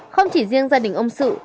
không chỉ riêng gia đình ông sự